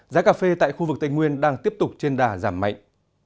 giá cà phê tại khu vực tây nguyên đang tiếp tục trên đà giảm mạnh